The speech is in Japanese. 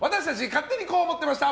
勝手にこう思ってました！